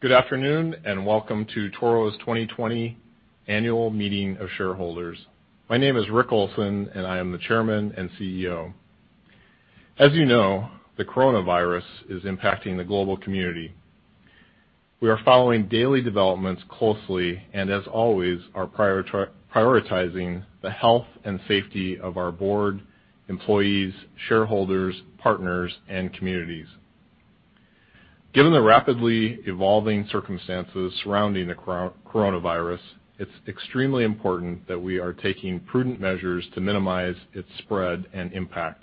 Good afternoon, and welcome to Toro's 2020 annual meeting of shareholders. My name is Rick Olson, and I am the Chairman and CEO. As you know, the coronavirus is impacting the global community. We are following daily developments closely and, as always, are prioritizing the health and safety of our board, employees, shareholders, partners, and communities. Given the rapidly evolving circumstances surrounding the coronavirus, it's extremely important that we are taking prudent measures to minimize its spread and impact.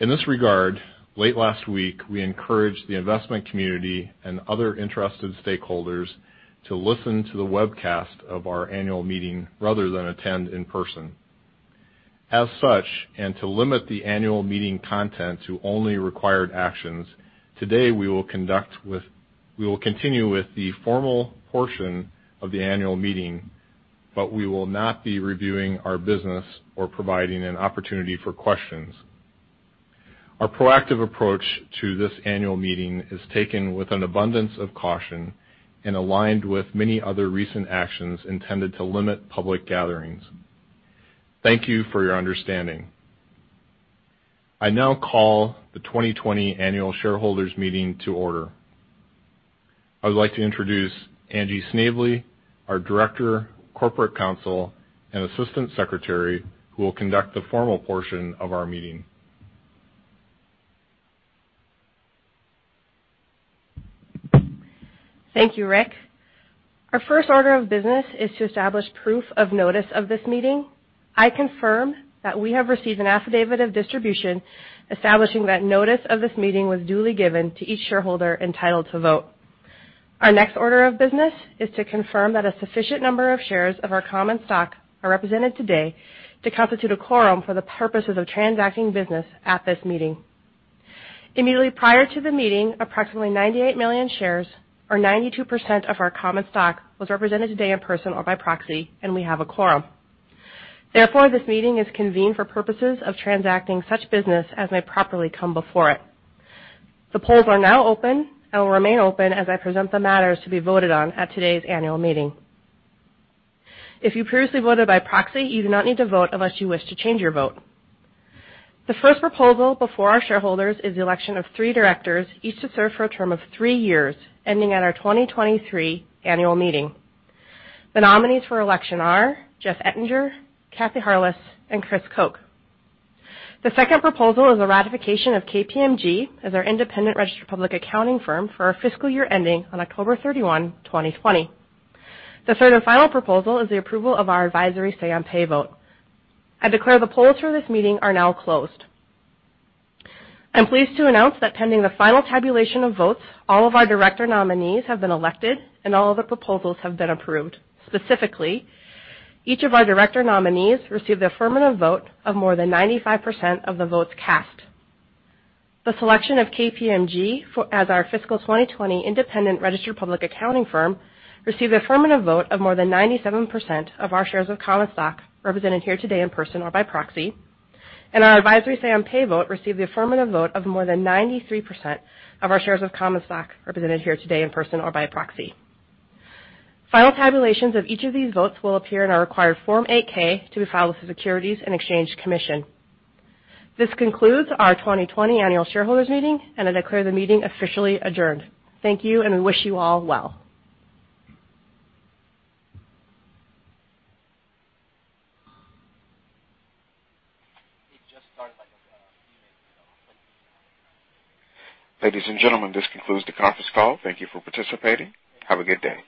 In this regard, late last week, we encouraged the investment community and other interested stakeholders to listen to the webcast of our annual meeting rather than attend in person. As such, and to limit the annual meeting content to only required actions, today we will continue with the formal portion of the annual meeting, but we will not be reviewing our business or providing an opportunity for questions. Our proactive approach to this annual meeting is taken with an abundance of caution and aligned with many other recent actions intended to limit public gatherings. Thank you for your understanding. I now call the 2020 annual shareholders meeting to order. I would like to introduce Angie Drake, our director, corporate counsel, and assistant secretary, who will conduct the formal portion of our meeting. Thank you, Rick. Our first order of business is to establish proof of notice of this meeting. I confirm that we have received an affidavit of distribution establishing that notice of this meeting was duly given to each shareholder entitled to vote. Our next order of business is to confirm that a sufficient number of shares of our common stock are represented today to constitute a quorum for the purposes of transacting business at this meeting. Immediately prior to the meeting, approximately 98 million shares, or 92% of our common stock, was represented today in person or by proxy, and we have a quorum. Therefore, this meeting is convened for purposes of transacting such business as may properly come before it. The polls are now open and will remain open as I present the matters to be voted on at today's annual meeting. If you previously voted by proxy, you do not need to vote unless you wish to change your vote. The first proposal before our shareholders is the election of three directors, each to serve for a term of three years, ending at our 2023 annual meeting. The nominees for election are Jeff Ettinger, Kathy Harless, and Chris Koch. The second proposal is a ratification of KPMG as our independent registered public accounting firm for our fiscal year ending on October 31, 2020. The third and final proposal is the approval of our advisory say-on-pay vote. I declare the polls for this meeting are now closed. I'm pleased to announce that pending the final tabulation of votes, all of our director nominees have been elected, and all the proposals have been approved. Specifically, each of our director nominees received the affirmative vote of more than 95% of the votes cast. The selection of KPMG as our fiscal 2020 independent registered public accounting firm received the affirmative vote of more than 97% of our shares of common stock represented here today in person or by proxy. Our advisory say-on-pay vote received the affirmative vote of more than 93% of our shares of common stock represented here today in person or by proxy. Final tabulations of each of these votes will appear in our required Form 8-K to be filed with the Securities and Exchange Commission. This concludes our 2020 annual shareholders meeting, and I declare the meeting officially adjourned. Thank you, and we wish you all well. Ladies and gentlemen, this concludes the conference call. Thank you for participating. Have a good day.